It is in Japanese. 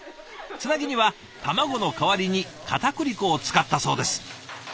つなぎには卵の代わりにかたくり粉を使ったそうです。